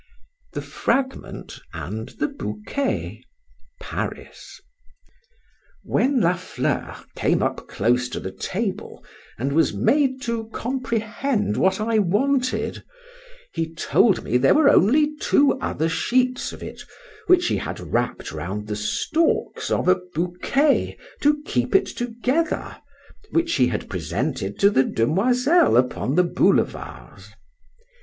THE FRAGMENT, AND THE BOUQUET. PARIS. WHEN La Fleur came up close to the table, and was made to comprehend what I wanted, he told me there were only two other sheets of it, which he had wrapped round the stalks of a bouquet to keep it together, which he had presented to the demoiselle upon the boulevards.